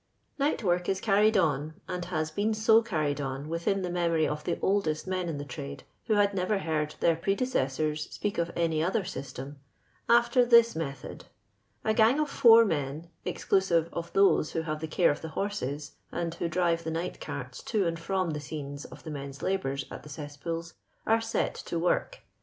Nightwork is carried on — and has heen bo carried on, within the memory of the oldest men in the trade, who had never heard their prede cessora speak of any other system — after this method: — A gang of fonr men (exclusive of those who have the care of the horses, and who drive the night caits to and from the scenes of the men's labours at the cesspools) are set to work.